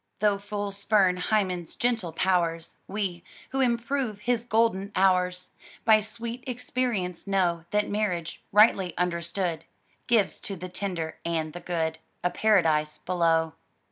"Though fools spurn Hymen's gentle powers, We, who improve his golden hours, By sweet experience know That marriage, rightly understood, Gives to the tender and the good A paradise below."